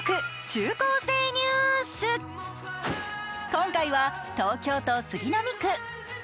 今回は東京都杉並区。